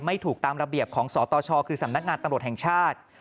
ถูกตามระเบียบของสตชคือสำนักงานตำรวจแห่งชาติ